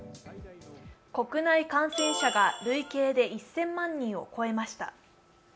国内感染者が累計で１０００万人を超えました。